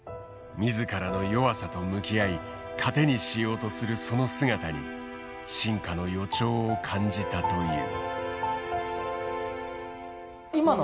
自らの弱さと向き合い糧にしようとするその姿に進化の予兆を感じたという。